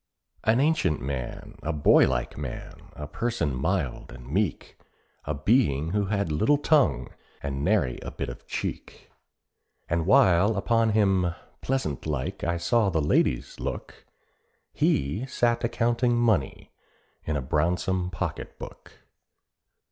An ancient man, a boy like man, a person mild and meek, A being who had little tongue, and nary bit of cheek. And while upon him pleasant like I saw the ladies look, He sat a counting money in a brownsome pocket book.